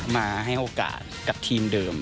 มาให้โอกาสกับทีมเดิม